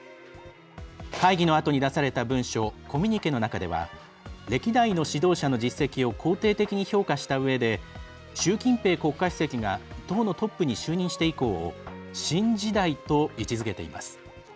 会議のあとに出された文書コミュニケの中では歴代の指導者の実績を肯定的に評価したうえで習近平国家主席が党のトップに就任して以降を「新時代」と位置づけています。